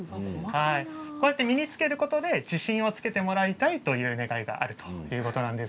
身につけることで自信をつけてもらいたいという願いがあるということなんです。